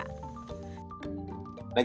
kita belum bisa membangun sumber daya manusia